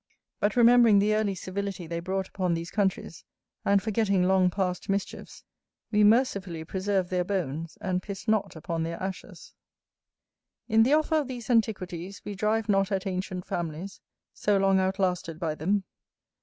But, remembering the early civility they brought upon these countries, and forgetting long passed mischiefs, we mercifully preserve their bones, and piss not upon their ashes. [AA] In the time of Henry the Second. In the offer of these antiquities we drive not at ancient families, so long outlasted by them.